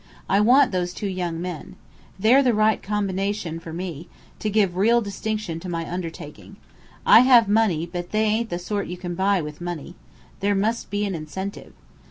I want those two young men. They're the right combination nation for me, to give real distinction to my undertaking. I have money, but they ain't the sort you can buy with money. There must be an incentive.